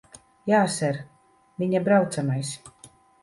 Jā, ser. Viņa braucamais.